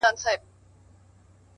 o دعا ، دعا ،دعا ، دعا كومه،